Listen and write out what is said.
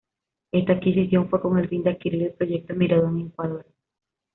Esta adquisición fue con el fin de adquirir el Proyecto Mirador en Ecuador.